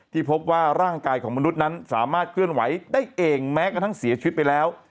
พบว่าร่างกายของมนุษย์นั้นสามารถเคลื่อนไหวได้เองแม้กระทั่งเสียชีวิตไปแล้ว